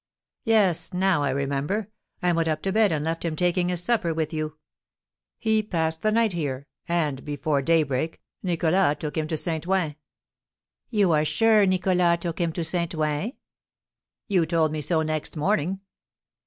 "Yes, now I remember. I went up to bed and left him taking his supper with you. He passed the night here, and, before daybreak, Nicholas took him to St. Ouen." "You are sure Nicholas took him to St. Ouen?" "You told me so next morning."